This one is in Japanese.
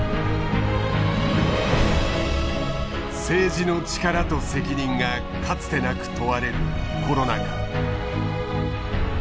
政治の力と責任がかつてなく問われるコロナ禍。